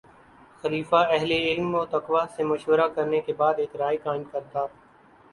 خلیفہ اہلِ علم و تقویٰ سے مشورہ کرنے کے بعد ایک رائے قائم کرتا